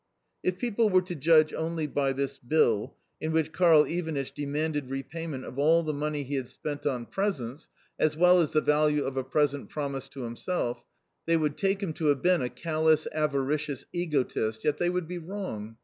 If people were to judge only by this bill (in which Karl Ivanitch demanded repayment of all the money he had spent on presents, as well as the value of a present promised to himself), they would take him to have been a callous, avaricious egotist yet they would be wrong.